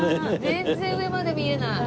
全然上まで見えない。